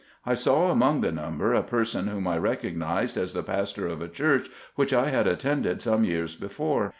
I saw among the number a person whom I recognized as the pastor of a church which I had attended some years before.